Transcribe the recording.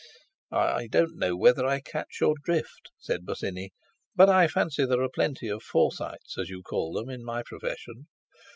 "I don't know whether I catch your drift," said Bosinney, "but I fancy there are plenty of Forsytes, as you call them, in my profession."